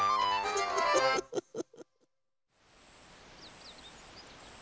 フフフフフフ。